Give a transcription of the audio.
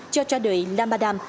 cho tra đội lamadam